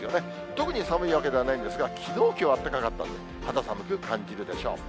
特に寒いわけではないんですが、きのう、きょうあったかかったんで、肌寒く感じるでしょう。